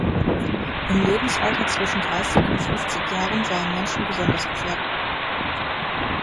Im Lebensalter zwischen dreißig und fünfzig Jahren seien Menschen besonders gefährdet.